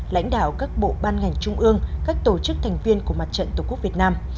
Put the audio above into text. lãnh đạo các bộ ban ngành trung ương các tổ chức thành viên của mặt trận tổ quốc việt nam